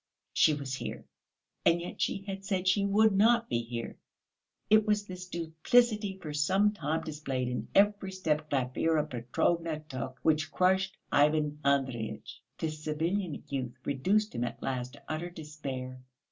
She was here, and yet she had said she would not be here! It was this duplicity for some time displayed in every step Glafira Petrovna took which crushed Ivan Andreyitch. This civilian youth reduced him at last to utter despair.